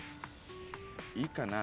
いいかな？